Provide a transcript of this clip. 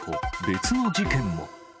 別の事件も。